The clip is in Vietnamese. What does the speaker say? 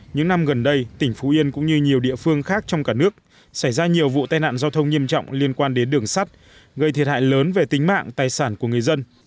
những năm gần đây tỉnh phú yên cũng như nhiều địa phương khác trong cả nước xảy ra nhiều vụ tai nạn giao thông nghiêm trọng liên quan đến đường sắt gây thiệt hại lớn về tính mạng tài sản của người dân